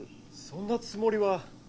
そんなつもりは。